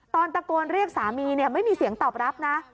ตอนตะโกนเรียกสามีไม่มีเสียงตอบรับนะ